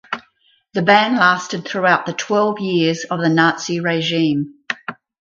The ban lasted throughout the twelve years of the Nazi regime.